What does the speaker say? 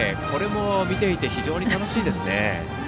これも、見ていて非常に楽しいですね。